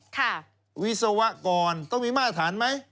วิศวกรต้องมีมาตรฐานไหม